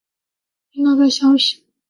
听到这消息